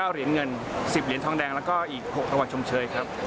เหรียญเงิน๑๐เหรียญทองแดงแล้วก็อีก๖จังหวัดชมเชยครับ